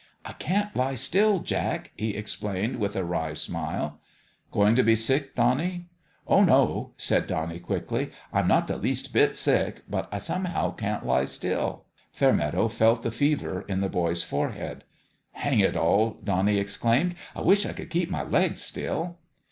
" I can't lie still, Jack," he explained, with a wry smile. " Going to be sick, Bonnie ?"" Oh, no I " said Bonnie, quickly. " I'm not the least bit sick ; but I somehow can't lie still." Fairmeadow felt the fever in the boy's fore head. " Hang it all !" Bonnie exclaimed. " I wish I could keep my legs still